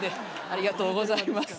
ありがとうございます。